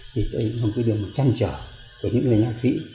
thì tôi nghĩ là một cái điều mà trăn trở của những người nhạc sĩ